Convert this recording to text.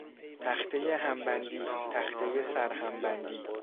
تختهی همبندی، تختهی سر هم بندی